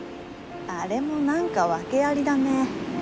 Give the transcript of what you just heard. あれもなんか訳ありだね。